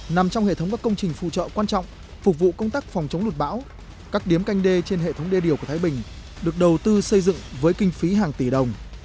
nằm trong hệ thống các công trình phụ trợ quan trọng phục vụ công tác phòng chống lụt bão các điếm canh đê trên hệ thống đê điều của thái bình được đầu tư xây dựng với kinh phí hàng tỷ đồng